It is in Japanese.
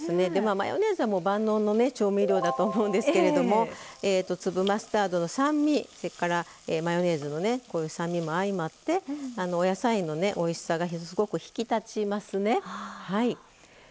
マヨネーズは万能の調味料だと思うんですけれども粒マスタードの酸味それからマヨネーズの酸味も相まってお野菜のおいしさがすごく引き立ちますよね。